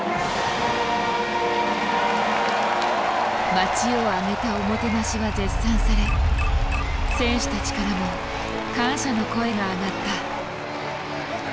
街を挙げたおもてなしは絶賛され選手たちからも感謝の声が上がった。